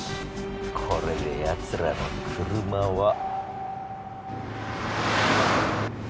これで奴らの車は。